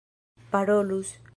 parolus